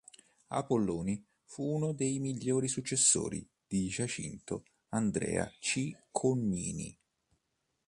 Apolloni fu uno dei migliori successori di Giacinto Andrea Cicognini.